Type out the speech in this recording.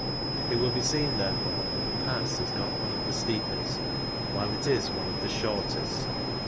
It will be seen, therefore, that the Pass is not one of the steepest, while it is one of the shortest.